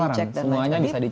transparan semuanya bisa dicek